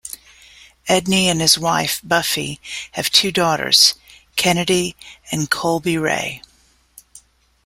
Edney and his wife, Buffy, have two daughters, Kennedi and Kolbe-Rae.